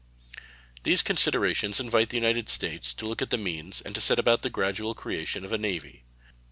These considerations invite the United States to look to the means, and to set about the gradual creation of a navy.